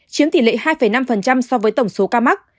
chiếm tỷ lệ hai năm so với tổng số ca mắc